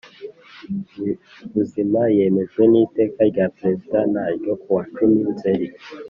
Buzima yemejwe n Iteka rya Perezida n ryo kuwa cumi nzeri